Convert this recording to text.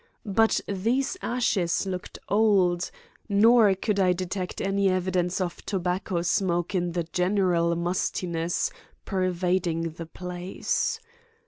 But these ashes looked old, nor could I detect any evidence of tobacco smoke in the general mustiness pervading the place.